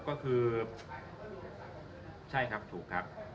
ก็คือใช่ครับถูกครับ